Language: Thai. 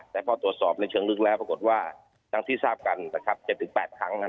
แต่พ่อตรวจสอบในเชิงลึกแล้วปรากฏว่าทั้งที่ทราบกันนะครับ๗๘ครั้ง๑๑